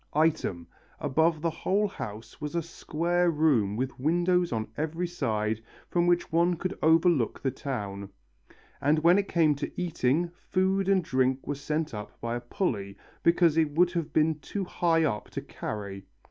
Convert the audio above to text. Item, above the whole house was a square room with windows on every side from which one could overlook the town. And when it came to eating, food and drink were sent up by a pulley, because it would have been too high up to carry.